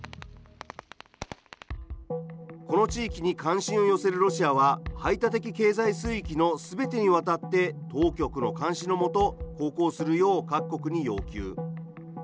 この地域に関心を寄せるロシアは、排他的経済水域のすべてにわたって当局の監視の下、航行するよう各国に要求。